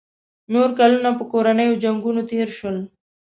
نور کلونه په کورنیو جنګونو تېر شول.